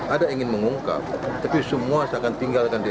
ada ingin mengungkap tapi semua saya akan tinggalkan dia